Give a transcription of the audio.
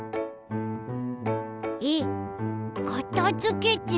えかたづけてる？